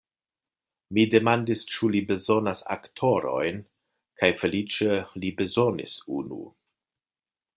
Mi demandis, ĉu li bezonas aktorojn kaj feliĉe li bezonis unu.